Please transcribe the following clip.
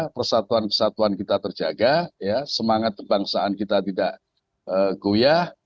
persatuan kesatuan kita terjaga semangat kebangsaan kita tidak goyah